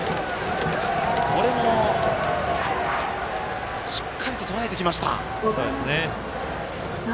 これも、しっかりととらえてきました。